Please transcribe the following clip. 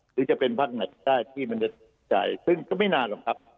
หรือจะเป็นพักไหนก็ได้ที่มันจะจ่ายซึ่งก็ไม่นานหรอกครับ